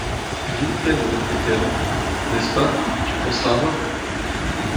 Gwynplaine! reprit-elle, n’est-ce pas? tu penseras à moi.